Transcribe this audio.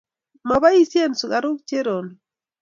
Moboisyen sukaruk Cherono.